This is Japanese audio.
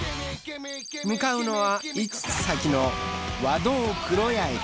向かうのは５つ先の和銅黒谷駅。